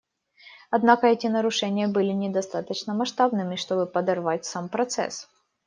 Однако эти нарушения были недостаточно масштабными, чтобы подорвать сам процесс.